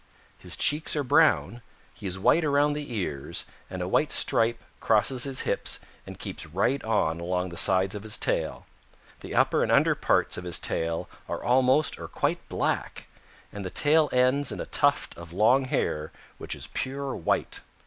His cheeks are brown, he is white around the ears, and a white stripe crosses his hips and keeps right on along the sides of his tail. The upper and under parts of his tail are almost or quite black, and the tail ends in a tuft of long hair which is pure white.